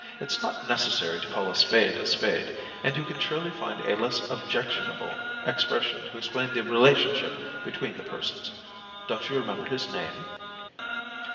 It's not necessary to call a spade a spade, and you can surely find a less objectionable expression to explain the relationship between the per sons. ... Don't you remember his name